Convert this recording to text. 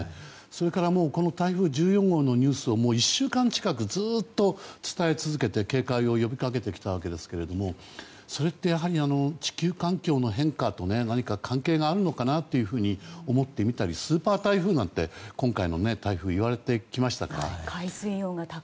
それから、この台風１４号のニュースをもう１週間近くずっと伝え続けて警戒を呼びかけてきたわけですがそれってやはり地球環境の変化と何か関係があるのかなと思ってみたりスーパー台風なんて今回の台風はいわれましたが。